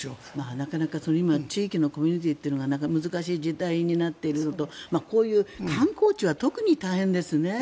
なかなか今、地域のコミュニティーというのが難しい時代になっているのとこういう観光地は特に大変ですね。